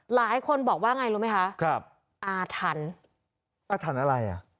หลายคนบอกว่าไงรู้ไหมคะครับอาถรรพ์อาถรรพ์อะไรอ่ะ